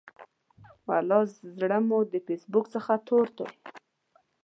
ولا زړه مو د فیسبوک څخه تور دی.